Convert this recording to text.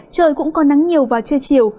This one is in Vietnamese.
trời cũng còn nắng nhiều vào trưa chiều